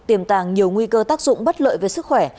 tiềm tàng nhiều nguy cơ tác dụng bất lợi về sức khỏe